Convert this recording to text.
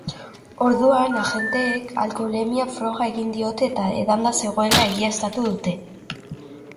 Orduan agenteek alkoholemia-froga egin diote eta edanda zegoela egiaztatu dute.